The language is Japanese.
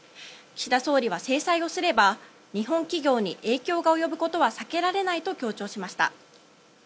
岸田総理は、制裁をすれば日本企業に影響が及ぶことは避けられないと強調しました。